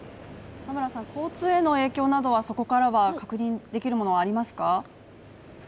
交通への影響などはそこからは確認できるものはありますか。